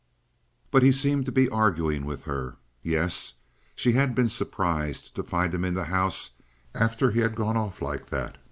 But he seemed to be arguing with her. Yes; she had been surprised to find him in the house after he had gone off like that.